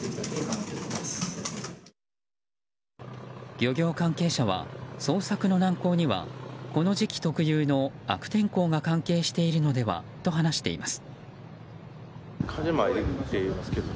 漁業関係者は、捜索の難航にはこの時期特有の悪天候が関係しているのではと話しています。